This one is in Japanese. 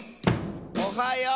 「おはよう！」